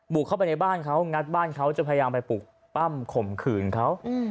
เข้าไปในบ้านเขางัดบ้านเขาจะพยายามไปปลุกปั้มข่มขืนเขา